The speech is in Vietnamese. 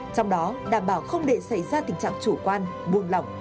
trong đó đảm bảo không để xảy ra tình trạng chủ quan buồn lòng